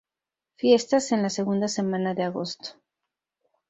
Fiestas en la segunda semana de agosto.